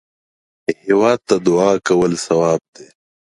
هېواد ته دعا کول ثواب دی